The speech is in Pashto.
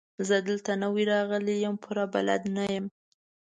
زه دلته نوی راغلی يم، پوره بلد نه يم.